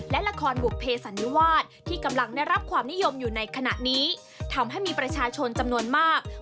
และละครบุภเพสันนิวาสที่กำลังได้รับความนิยมอยู่ในขณะนี้ทำให้มีประชาชนจำนวนมาก